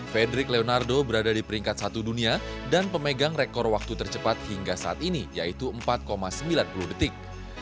fedrik leonardo berada di peringkat satu dunia dan pemegang rekor waktu tercepat hingga saat ini yaitu empat sembilan puluh detik